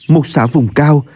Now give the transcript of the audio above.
một xã vùng cao